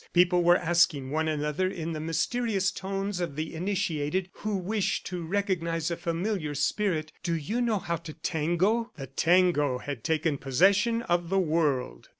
People were asking one another in the mysterious tones of the initiated who wish to recognize a familiar spirit, "Do you know how to tango? ..." The tango had taken possession of the world.